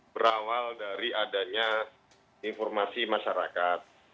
berawal dari adanya informasi masyarakat